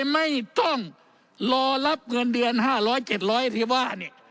ไม่ต้องรอรับเงินเดือนห้าร้อยเจ็ดร้อยที่ว่า